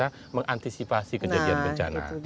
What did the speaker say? betul betul bisa mengantisipasi kejadian bencana